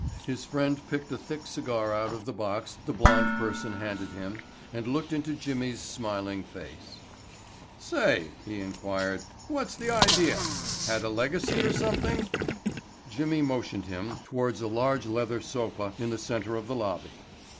His friend picked a thick cigar out of the box the blonde person handed him and looked into Jimmy's smiling face. "Say," he inquired. "What's the idea? Had a legacy or something?" Jimmy motioned him towards a large leather sofa in the center of the lobby.